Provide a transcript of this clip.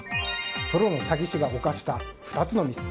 プロの詐欺師が犯した２つのミス。